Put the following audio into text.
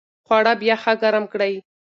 خواړه بیا ښه ګرم کړئ.